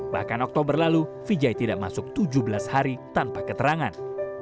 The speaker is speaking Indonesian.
bahkan oktober lalu vijay tidak masuk tujuh belas hari tanpa keterangan